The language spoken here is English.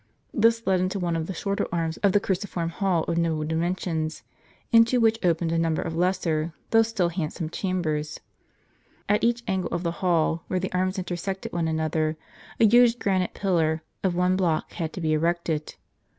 This led into one of the shorter arms of a cruciform hall of noble dimensions, into which opened a number of lesser, though still handsome, chambers. At each angle of the hall, where the arms intersected one another, a huge granite pillar of one block had to be erected.